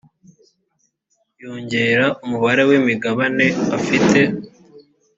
yongera umubare w imigabane afite